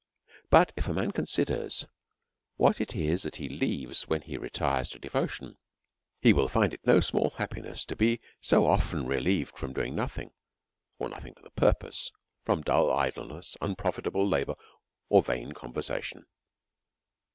But if a man considers what it is that he leaves when he retires to devotion, he will find it no small happiness to be so often relieved from doing nothing, or nothing to the purpose ; from dull idleness, unprofitable labour, or vain conversation.